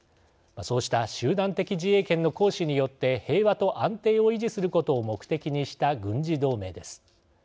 そうした集団的自衛権の行使によって平和と安定を維持することを目的にした軍事同盟です。